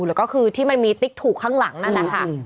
แล้วก็คือที่มันมีติ๊กถูกข้างหลังนั่นแหละค่ะ